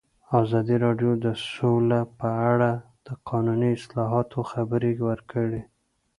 ازادي راډیو د سوله په اړه د قانوني اصلاحاتو خبر ورکړی.